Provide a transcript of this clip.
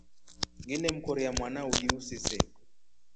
Ngile mkorya mwana uji usise.